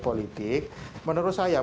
politik menurut saya